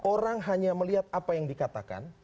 orang hanya melihat apa yang dikatakan